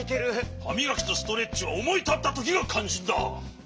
はみがきとストレッチはおもいたったときがかんじんだ。